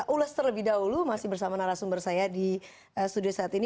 ulas terlebih dahulu masih bersama narasumber saya di studio saat ini